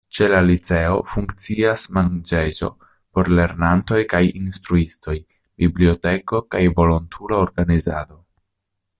Ĉe la liceo funkcias manĝejo por lernantoj kaj instruistoj, biblioteko kaj volontula organizado.